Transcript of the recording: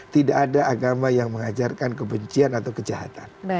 tidak ada agama yang mengajarkan kebencian atau kejahatan